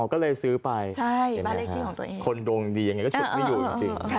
อ๋อก็เลยซื้อไปเห็นไหมครับคนโดรงดีอย่างนี้ก็ชุดไม่อยู่จริง